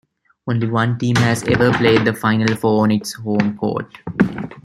Only one team has ever played the Final Four on its home court.